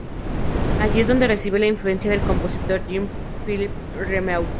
Allí es donde recibe la influencia del compositor Jean-Philippe Rameau.